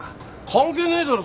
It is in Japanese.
関係ねえだろ